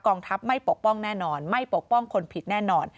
ทัพไม่ปกป้องแน่นอนไม่ปกป้องคนผิดแน่นอน